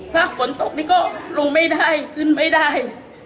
ถ้าฝนตกนี่ก็ลงไม่ได้ขึ้นไม่ได้